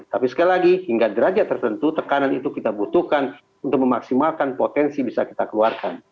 tapi sekali lagi hingga derajat tertentu tekanan itu kita butuhkan untuk memaksimalkan potensi bisa kita keluarkan